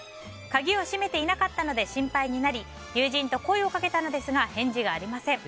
鍵を閉めていなかったので心配になり友人と声をかけたのですが返事がありません。